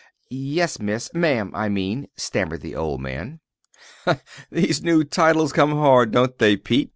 "Yes, Miss ma'am, I mean," stammered the old man. "These new titles come hard, don't they, Pete?"